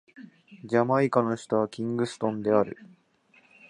ジャマイカの首都はキングストンである